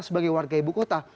sebagai warga ibu kota